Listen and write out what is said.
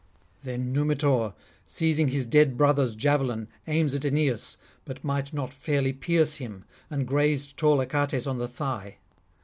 Then Numitor, seizing his dead brother's javelin, aims at Aeneas, but might not fairly pierce him, and grazed tall Achates on the thigh.